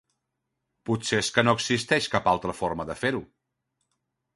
Potser és que no existeix cap altra forma de fer-ho.